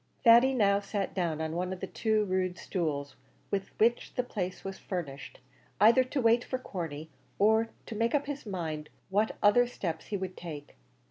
Thady now sat down on one of the two rude stools with which the place was furnished, either to wait for Corney, or to make up his mind what other steps he would take.